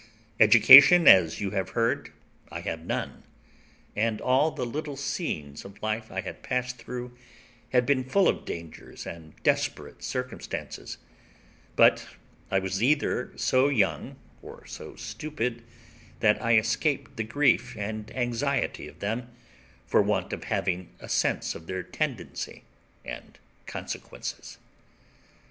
Education, as you have heard, I had none; and all the little scenes of life I had passed through had been full of dangers and desperate circumstances; but I was either so young or so stupid, that I escaped the grief and anxiety of them, for want of having a sense of their tendency and consequences.